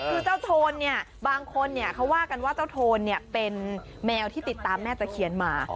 คือเจ้าโทนเนี่ยบางคนเขาว่ากันว่าเจ้าโทนเป็นแมวที่ติดตามแม่ตะเคียนมา